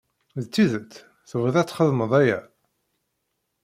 D tidet tebɣiḍ ad txedmeḍ aya?